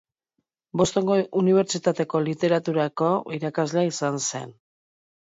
Bostongo unibertsitateko literaturako irakaslea izan zen.